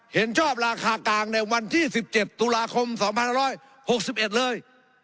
เห็นชอบราคากลางในวันที่๑๗ตุลาคม๒๑๖๑เลย